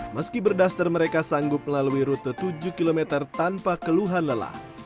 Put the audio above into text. meski berduster mereka sanggup melalui rute tujuh km tanpa keluhan lelah